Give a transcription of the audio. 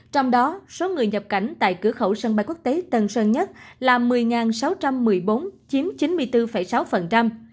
trong đó số người nhập cảnh tại cửa khẩu sân bay quốc tế tân sơn nhất là một mươi sáu trăm một mươi bốn chiếm chín mươi bốn sáu